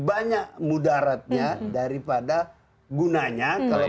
banyak mudaratnya daripada gunanya